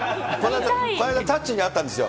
この間、たっちに会ったんですよ。